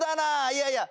いやいや。